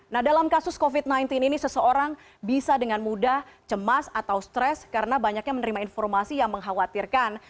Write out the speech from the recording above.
nah dalam kasus covid sembilan belas ini seseorang bisa dengan mudah cemas atau stres karena banyaknya menerima informasi yang mengkhawatirkan